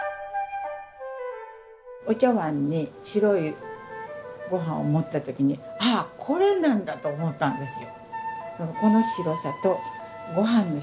お茶わんに白いごはんを盛った時にあこれなんだと思ったんですよ。